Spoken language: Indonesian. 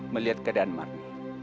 melihat keadaan marni